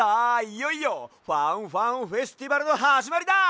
いよいよファンファンフェスティバルのはじまりだ！